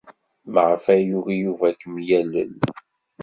Maɣef ay yugi Yuba ad kem-yalel?